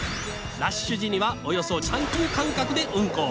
ラッシュ時にはおよそ３分間隔で運行。